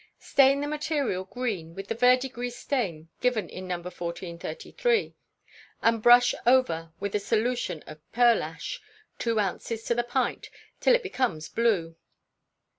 _ i. Stain the material green with the verdigris stain given in No. 1433, and brush over with a solution of pearlash two ounces to the pint till it becomes blue.